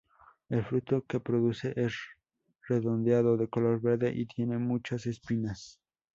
El fruto que produce es redondeado de color verde y tiene muchas espinas.